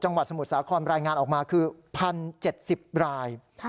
สมุทรสาครรายงานออกมาคือ๑๐๗๐ราย